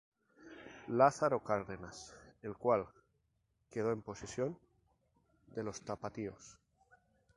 Lázaro Cárdenas, el cual quedó en posesión de los tapatíos.